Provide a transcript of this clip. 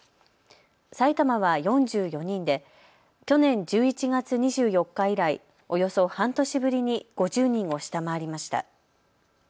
埼玉は４４人で去年１１月２４日以来およそ半年ぶりに５０人を下回りました。